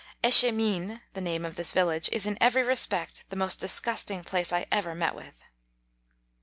Echemine (the name of this village) is in every respect the most disgusting place I ever met with.